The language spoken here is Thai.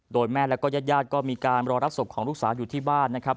โดยแม่แล้วก็ญาติญาติก็มีการรอรับศพของลูกสาวอยู่ที่บ้านนะครับ